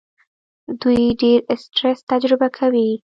دوی ډېر سټرس تجربه کوي.